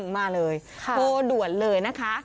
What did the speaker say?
มาเลยโทรด่วนเลยนะคะ